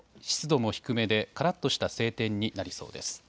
湿度も低めでカラッとした晴天になりそうです。